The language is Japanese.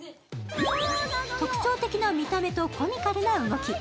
特徴的な見た目とコミカルな動き。